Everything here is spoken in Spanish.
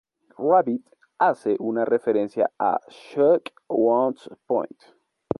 Rabbit hace una referencia a "Shook Ones Pt.